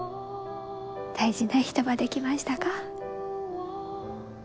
大事な人はできましたか？